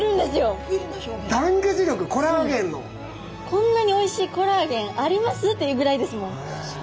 こんなにおいしいコラーゲンあります？っていうぐらいですもん。